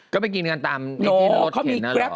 ก็ไปกินกันตามที่รถเข็มน่ะเหรอ